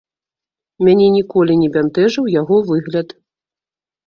Мяне ніколі не бянтэжыў яго выгляд.